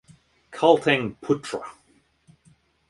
Kalteng Putra